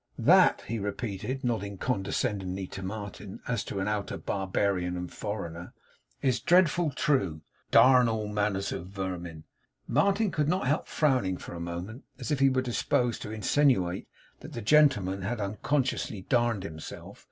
'That,' he repeated, nodding condescendingly to Martin, as to an outer barbarian and foreigner, 'is dreadful true. Darn all manner of vermin.' Martin could not help frowning for a moment, as if he were disposed to insinuate that the gentleman had unconsciously 'darned' himself.